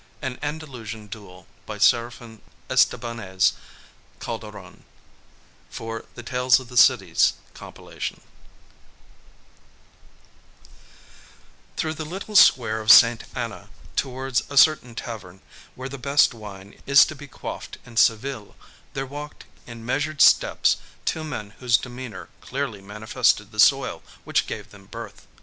AN ANDALUSIAN DUEL Serafin Estebanez Calderon Through the little square of St. Anna, towards a certain tavern, where the best wine is to be quaffed in Seville, there walked in measured steps two men whose demeanor clearly manifested the soil which gave them birth.